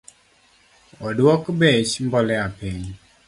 Oduok bech mbolea piny